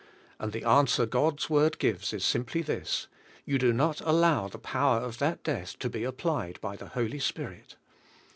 And the answer God's Word gives is simply this: You do not allow the power of that death to be applied by the Holy Spirit.